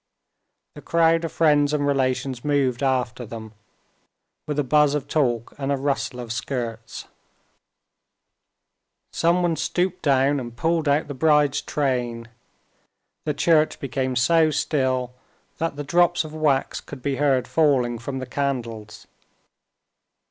The crowd of friends and relations moved after them, with a buzz of talk and a rustle of skirts. Someone stooped down and pulled out the bride's train. The church became so still that the drops of wax could be heard falling from the candles.